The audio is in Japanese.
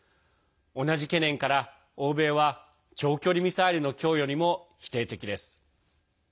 同じ懸念から、欧米は長距離ミサイルの供与にも否定的です。